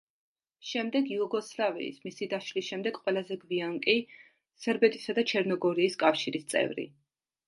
შემდეგ იუგოსლავიის, მისი დაშლის შემდეგ, ყველაზე გვიან კი სერბეთისა და ჩერნოგორიის კავშირის წევრი.